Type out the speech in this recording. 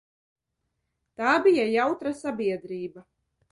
Tā bija jautra sabiedrība.